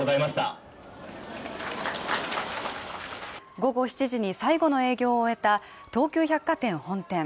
午後７時に最後の営業を終えた東急百貨店本店